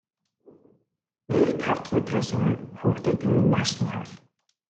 Ирэх тав дахь өдрөөс өмнө хүүхдүүдийг минь нааш нь явуул.